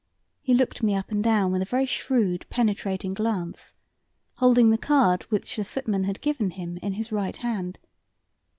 He looked me up and down with a very shrewd, penetrating glance, holding the card which the footman had given him in his right hand.